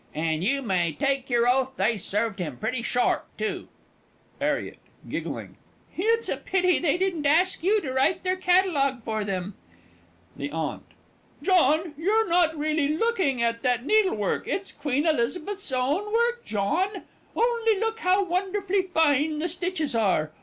An' you may take yer oath they served him pretty sharp, too! 'ARRIET. It's a pity they didn't ask you to write their Catalogue for 'em. THE AUNT. John, you're not really looking at that needlework it's Queen Elizabeth's own work, John. Only look how wonderfully fine the stitches are.